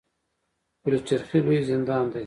پل چرخي لوی زندان دی